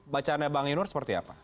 bacaannya bang iur seperti apa